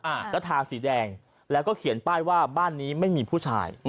อ่าแล้วทาสีแดงแล้วก็เขียนป้ายว่าบ้านนี้ไม่มีผู้ชาย